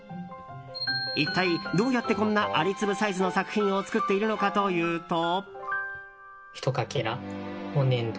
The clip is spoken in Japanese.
一体、どうやってこんな蟻粒サイズの作品を作っているのかというと。